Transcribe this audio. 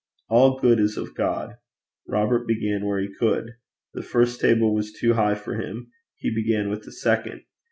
All good is of God. Robert began where he could. The first table was too high for him; he began with the second.